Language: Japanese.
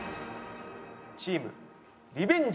チームリベンジャーズ。